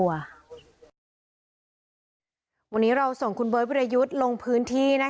วันนี้เราส่งบเบ้อร์พุทธยุธลงพื้นที่